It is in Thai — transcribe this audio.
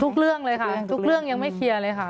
เรื่องเลยค่ะทุกเรื่องยังไม่เคลียร์เลยค่ะ